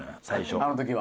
最初。